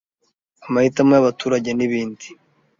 amahitamo y’abaturage n’ibindi